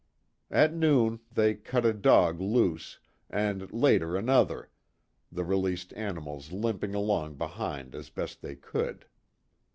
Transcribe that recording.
At noon they cut a dog loose, and later another, the released animals limping along behind as best they could.